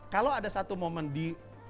kalau ada satu momen di